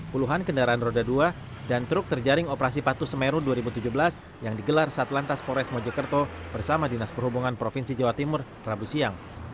puluhan kendaraan roda dua dan truk terjaring operasi patuh semeru dua ribu tujuh belas yang digelar saat lantas pores mojokerto bersama dinas perhubungan provinsi jawa timur rabu siang